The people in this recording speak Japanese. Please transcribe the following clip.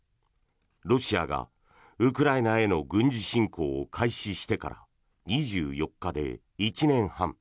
ロシアがウクライナへの軍事侵攻を開始してから２４日で１年半。